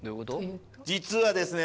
実はですね